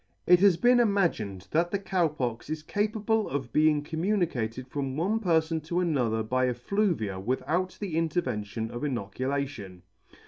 It has been imagined that the Cow Pox is capable of being communicated from one perfon to another by effluvia without the intervention of inoculation.